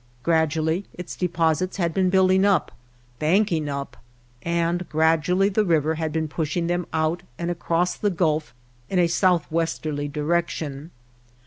Gradually its deposits had been building up, banking up ; and grad ually the river had been pushing them out and across the Gulf in a southwesterly direction.